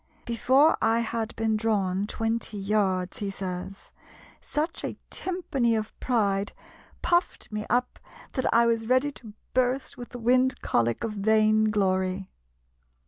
"Before I had been drawn twenty yards," he says, "such a timpany of pride puft me up that I was ready to burst with the wind cholic of vaine glory."